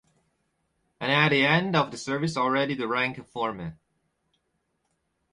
And at the end of the service already the rank of foreman.